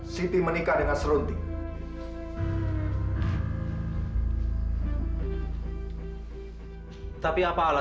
sampai jumpa di video selanjutnya